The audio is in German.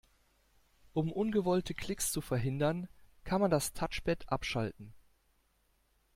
Um ungewollte Klicks zu verhindern, kann man das Touchpad abschalten.